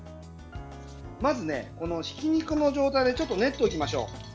まずね、ひき肉の状態でちょっと練っておきましょう。